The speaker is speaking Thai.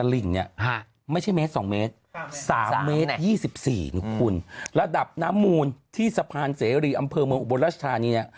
ละดับน้ำมูลที่สะพานเสรีอำเภอบนอุโบราชธานี